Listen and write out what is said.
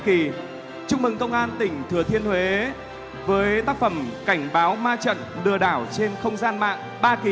kỳ chúc mừng công an tỉnh thừa thiên huế với tác phẩm cảnh báo ma trận lừa đảo trên không gian mạng ba kỳ